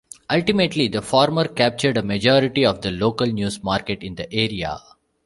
Ultimately, the former captured a majority of the local news market in the area.